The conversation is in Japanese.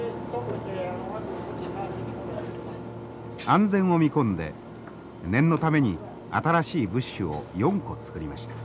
安全を見込んで念のために新しいブッシュを４個つくりました。